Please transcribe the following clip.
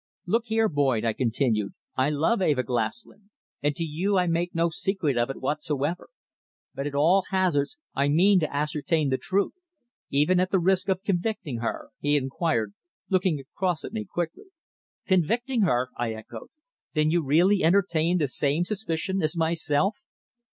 "Look here, Boyd," I continued, "I love Eva Glaslyn, and to you I make no secret of it whatsoever. But at all hazards I mean to ascertain the truth." "Even at the risk of convicting her?" he inquired, looking across at me quickly. "Convicting her!" I echoed. "Then you really entertain the same suspicion as myself?"